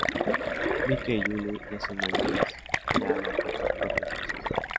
Mickey y Julie ya son mayores, y ya hablan con sus propias voces.